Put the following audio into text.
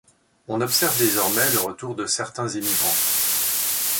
On observe désormais le retour de certains émigrants.